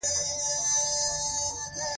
کچالو سړه خونه خوښوي